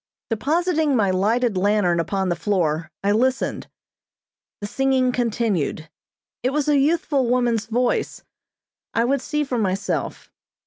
Depositing my lighted lantern upon the floor, I listened. The singing continued. It was a youthful woman's voice. I would see for myself.